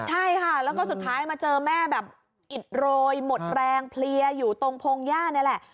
ใช่ค่ะแล้วก็สุดท้ายมาเจอแม่แบบอิดโรยหมดแรงเพลียอยู่ตรงพงหญ้านี่แหละ